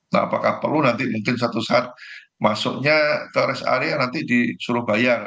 nah apakah perlu nanti mungkin satu saat masuknya ke rest area nanti di surabaya